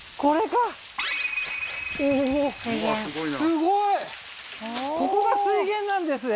すごいここが水源なんですね